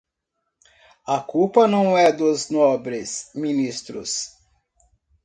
A culpa não é dos nobres ministros.